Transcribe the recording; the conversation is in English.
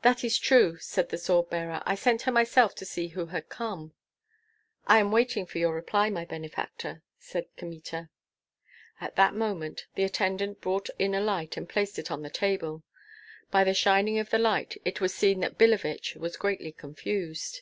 "That is true," said the sword bearer; "I sent her myself to see who had come." "I am waiting for your reply, my benefactor," said Kmita. At that moment the attendant brought in a light and placed it on the table; by the shining of the light it was seen that Billevich was greatly confused.